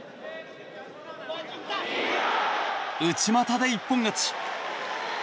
内股で一本勝ち！